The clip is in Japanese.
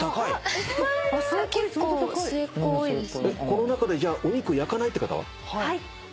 この中でお肉焼かないって方は？